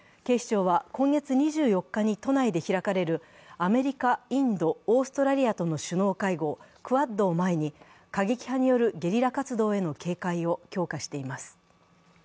警視庁は、今月２４日に都内で開かれるアメリカ・インド・オーストラリアとの首脳会合、クアッドを前に過激派によるゲリラ活動への警戒を強化しています。